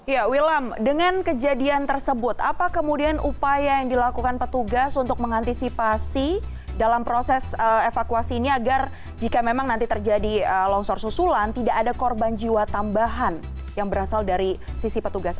ya wilam dengan kejadian tersebut apa kemudian upaya yang dilakukan petugas untuk mengantisipasi dalam proses evakuasi ini agar jika memang nanti terjadi longsor susulan tidak ada korban jiwa tambahan yang berasal dari sisi petugas